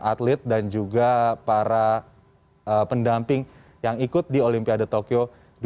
atlet dan juga para pendamping yang ikut di olimpiade tokyo dua ribu dua puluh